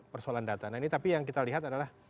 persoalan data nah ini tapi yang kita lihat adalah